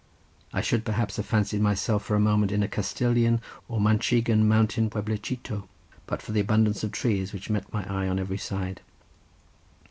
I should perhaps have fancied myself for a moment in a Castilian or Manchegan mountain pueblicito, but for the abundance of trees which met my eyes on every side.